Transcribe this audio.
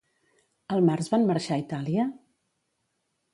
Al març van marxar a Itàlia?